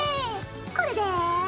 これで。